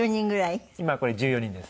今これ１４人です。